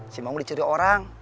si maung dicuri orang